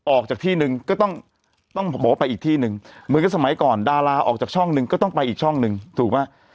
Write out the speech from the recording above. ออกจากที่หนึ่งก็ต้องต้องบอกว่าไปอีกที่หนึ่งเหมือนกับสมัยก่อนดาราออกจากช่องหนึ่งก็ต้องไปอีกช่องหนึ่งถูกไหม